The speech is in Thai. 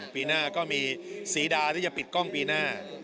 ปีหน้าก็มีสีดาที่จะปิดกล้องปีหน้า